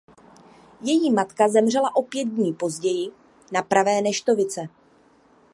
Její matka zemřela o pět dní později na pravé neštovice.